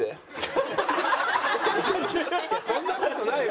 そんな事ないよ